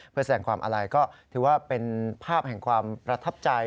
เพื่อแสดงความอาลัยก็ถือว่าเป็นภาพแห่งความประทับใจ